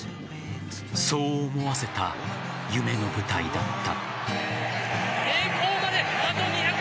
そう思わせた夢の舞台だった。